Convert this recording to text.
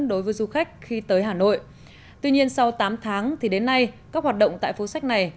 đối với du khách khi tới hà nội tuy nhiên sau tám tháng thì đến nay các hoạt động tại phố sách này